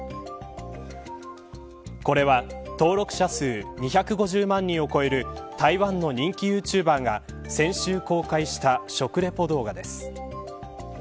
これは登録者数２５０万人を超える台湾の人気ユーチューバーが先週公開した、食レポ動画です。